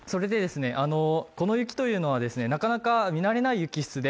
この雪はなかなか見慣れない雪質で